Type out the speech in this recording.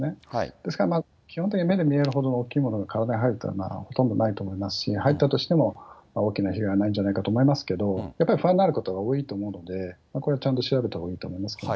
ですから基本的に目で見えるほどの大きいものが体に入るというのはほとんどないと思いますし、入ったとしても大きな被害はないんじゃないかと思いますけど、やっぱり不安になる方は多いと思うので、これはちゃんと調べたほうがいいと思いますけどね。